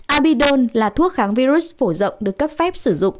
abidon là thuốc kháng virus phổ rộng được cấp phép sử dụng